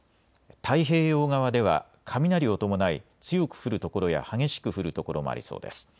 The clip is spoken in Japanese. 太平洋側では雷を伴い強く降る所や激しく降る所もありそうです。